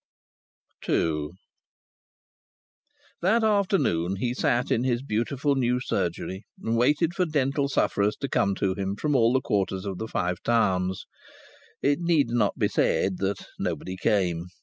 II That afternoon he sat in his beautiful new surgery and waited for dental sufferers to come to him from all quarters of the Five Towns. It needs not to be said that nobody came.